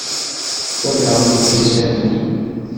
Walaɣ yagi asaru-nni.